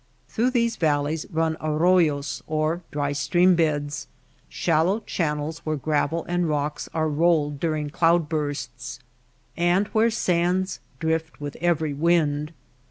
Through these valleys run arroyos or dry stream beds — shallow channels where gravel and rocks are rolled during cloud bursts and where sands drift with every wind.